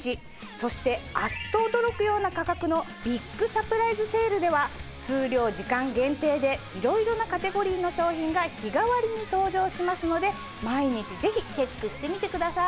そしてあっと驚くような価格のビッグサプライズセールでは数量時間限定でいろいろなカテゴリーの商品が日替わりに登場しますので毎日ぜひチェックしてみてください。